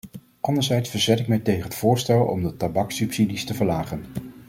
Anderzijds verzet ik mij tegen het voorstel om de tabakssubsidies te verlagen.